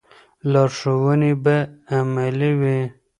لارښوونې به عملي وي.